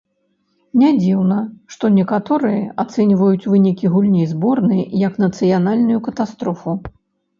Не дзіўна, што некаторыя ацэньваюць вынікі гульні зборнай як нацыянальную катастрофу.